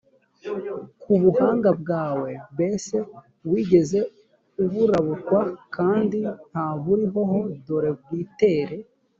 ku buhanga bwawe bbese wigeze uburabukwa kandi nta buriho h dore bwitera